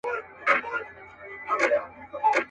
لومړی ملګری د ډاکټرانو.